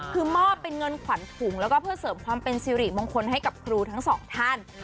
คือมอบเป็นเงินขวัญถุงแล้วก็เพื่อเสริมความเป็นสิริมงคลให้กับครูทั้งสองท่าน